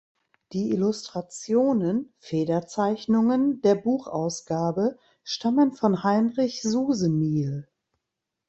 Die Illustrationen (Federzeichnungen) der Buchausgabe stammen von Heinrich Susemihl.